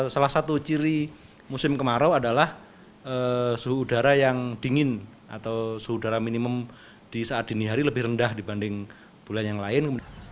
salah satu ciri musim kemarau adalah suhu udara yang dingin atau suhu udara minimum di saat dini hari lebih rendah dibanding bulan yang lain